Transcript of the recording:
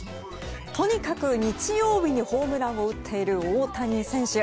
とにかく日曜日にホームランを打っている大谷選手。